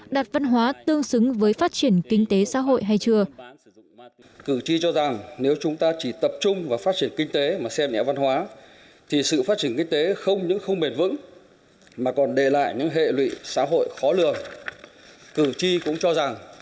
đặt văn hóa tương xứng với phát triển kinh tế xã hội hay chưa